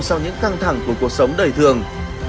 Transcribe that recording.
sau những căng thẳng của cuộc sống đời thường